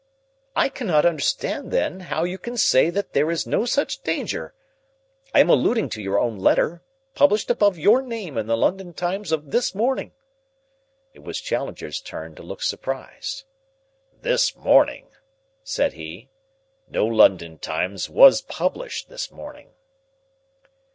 "I cannot understand, then, how you can say that there is no such danger. I am alluding to your own letter, published above your name in the London Times of this morning." It was Challenger's turn to look surprised. "This morning?" said he. "No London Times was published this morning."